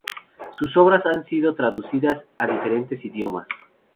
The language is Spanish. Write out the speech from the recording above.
Sus obras han sido traducidas a diferentes idiomas.